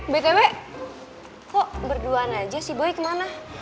btw kok berduaan aja sih boy kemana